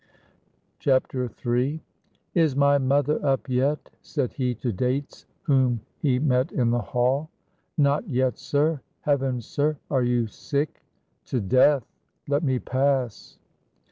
III. "Is my mother up yet?" said he to Dates, whom he met in the hall. "Not yet, sir; heavens, sir! are you sick?" "To death! Let me pass."